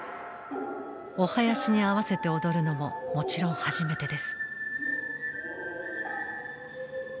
お囃子に合わせて踊るのももちろん初めてです。